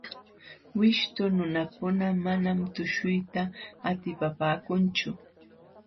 Wishtu nunakuna manam tuśhuyta atipapaakunchu.